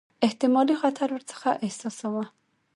احتمالي خطر ورڅخه احساساوه.